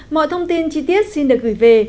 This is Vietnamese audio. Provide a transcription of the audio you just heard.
mọi thông tin chi tiết xin được gửi về